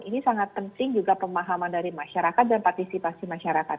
ini sangat penting juga pemahaman dari masyarakat dan partisipasi masyarakat